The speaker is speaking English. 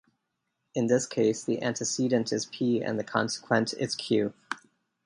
In this case, the antecedent is P, and the consequent is Q.